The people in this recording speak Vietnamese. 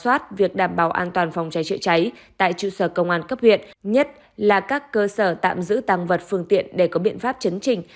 an toàn phòng cháy chữa cháy tại trụ sở công an cấp huyện nhất là các cơ sở tạm giữ tăng vật phương tiện để có biện pháp chấn trình